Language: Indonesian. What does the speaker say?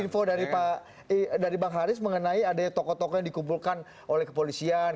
info dari bang haris mengenai adanya tokoh tokoh yang dikumpulkan oleh kepolisian